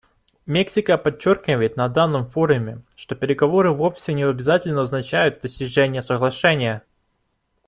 Мексика подчеркивает на данном форуме, что переговоры вовсе не обязательно означают достижение соглашения.